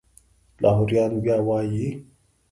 لاهوریان بیا وایي.